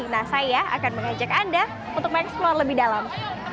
nah saya akan mengajak anda untuk mengeksplor lebih dalam